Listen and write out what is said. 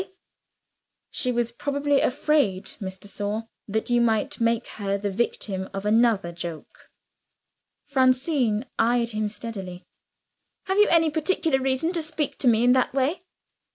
"She was probably afraid, Miss de Sor, that you might make her the victim of another joke." Francine eyed him steadily. "Have you any particular reason for speaking to me in that way?"